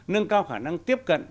nâng cao khả năng tiếp cận